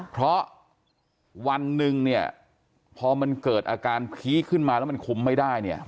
เพราะวันหนึ่งเนี่ยพอมันเกิดอาการพีคขึ้นมาแล้วมันคุมไม่ได้เนี่ย